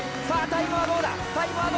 タイムはどうだ？